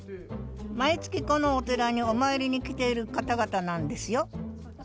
毎月このお寺にお参りに来ている方々なんですよ